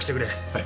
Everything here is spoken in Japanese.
はい。